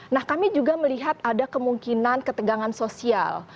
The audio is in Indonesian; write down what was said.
nah kami juga melihat ada kemungkinan ketegangan sosial